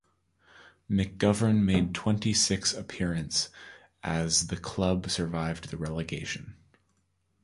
McGovern made twenty-six appearance, as the club survived the relegation.